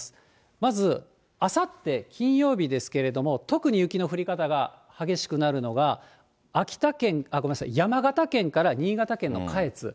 まずあさって金曜日ですけれども、特に雪の降り方が激しくなるのが、山形県から新潟県の下越。